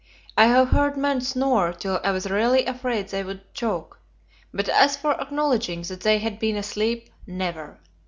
I have heard men snore till I was really afraid they would choke, but as for acknowledging that they had been asleep never!